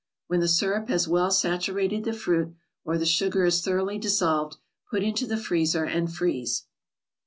When the syrup has well saturated the fruit, or the sugar is thoroughly dissolved, put into the freezer and freeze.